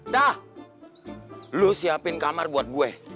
dah lo siapin kamar buat gue